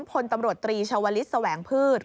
พลตำรวจตรีชาวลิศแสวงพืช